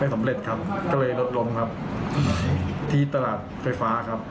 สำเร็จครับก็เลยรถล้มครับที่ตลาดไฟฟ้าครับ